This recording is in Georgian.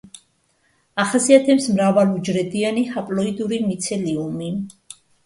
ახასიათებს მრავალუჯრედიანი ჰაპლოიდური მიცელიუმი.